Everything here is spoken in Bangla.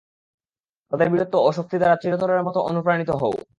তাদের বীরত্ব ও শক্তি দ্বারা চিরতরের মতো অনুপ্রাণিত হও।